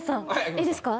いいですか。